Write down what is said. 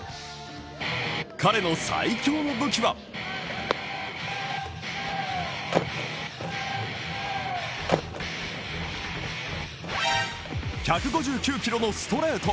彼の最強の武器は１５９キロのストレート。